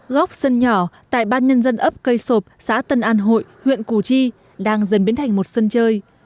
góc sân nhỏ tại ban nhân dân ấp cây sộp xã tân an hội huyện củ chi đang dần biến thành một sân chơi